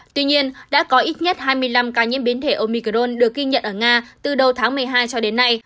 tuy nhiên đã có ít nhất hai mươi năm ca nhiễm biến thể omicron được ghi nhận ở nga từ đầu tháng một mươi hai cho đến nay